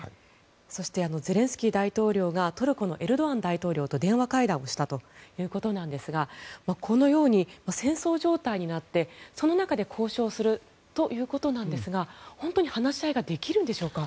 そしてゼレンスキー大統領がトルコのエルドアン大統領と電話会談をしたということなんですがこのように戦争状態になってその中で交渉するということなんですが本当に話し合いができるんでしょうか？